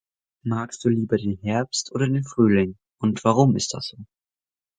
Magst Du lieber den Herbst oder den Frühling? Und warum ist das so?